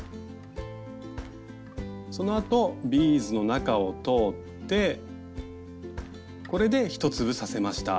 そのあとビーズの中を通ってこれで１粒刺せました。